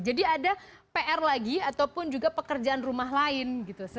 jadi ada pr lagi ataupun juga pekerjaan rumah lain gitu